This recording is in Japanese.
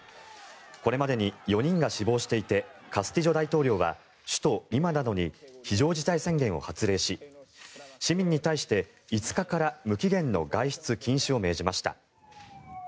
これまでに４人が死亡していてカスティジョ大統領は首都リマなどに非常事態宣言を発令し市民に対して５日から無期限の外出禁止を命じました。